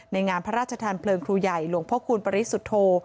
งามพระราชทานเพลิงครูใหญ่หลวงพ่อคูณปริสุทธโธ